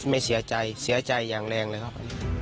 ไม่เสียใจเสียใจอย่างแรงเลยครับ